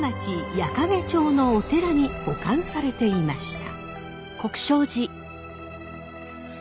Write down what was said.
矢掛町のお寺に保管されていました。